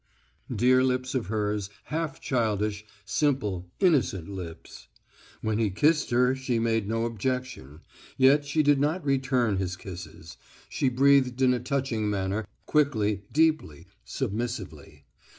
Dear lips of hers, half childish, simple, innocent lips. When he kissed her she made no opposition, yet she did not return his kisses; she breathed in a touching manner, quickly, deeply, submissively.